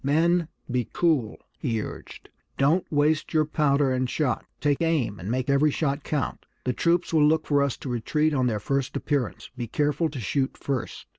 "Men, be cool!" he urged. "Don't waste your powder and shot! Take aim, and make every shot count! The troops will look for us to retreat on their first appearance; be careful to shoot first."